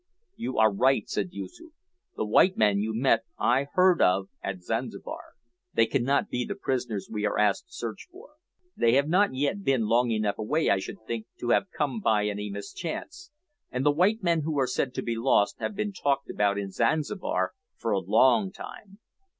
"You are right," said Yoosoof. "The white men you met I heard of at Zanzibar. They cannot be the prisoners we are asked to search for. They have not yet been long enough away, I should think, to have come by any mischance, and the white men who are said to be lost have been talked about in Zanzibar for a long time.